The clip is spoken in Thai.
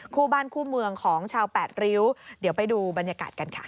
คู่บ้านคู่เมืองของชาวแปดริ้วเดี๋ยวไปดูบรรยากาศกันค่ะ